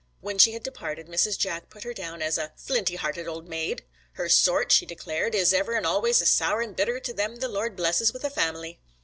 When she had departed Mrs. Jack put her down as 'a flinty hearted ould maid.' 'Her sort,' she declared, 'is ever an' always sour an' bitther to them the Lord blesses wid a family.'